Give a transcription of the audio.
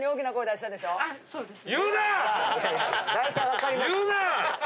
言うな！